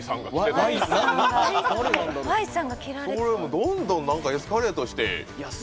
どんどんエスカレートして。